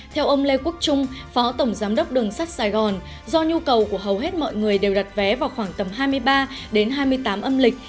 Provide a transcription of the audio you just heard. theo ông lê quốc trung phó tổng giám đốc đường sắt sài gòn do nhu cầu của hầu hết mọi người đều đặt vé vào khoảng tầm hai mươi ba đến hai mươi tám âm lịch